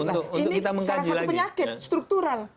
nah ini salah satu penyakit struktural